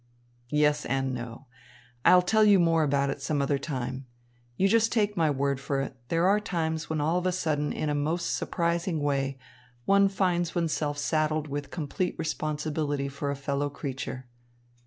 "Yes and no. I'll tell you more about it some other time. Now just take my word for it, there are times when all of a sudden in a most surprising way, one finds oneself saddled with complete responsibility for a fellow creature."